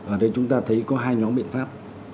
ở đây chúng ta thấy có hai nhóm biện pháp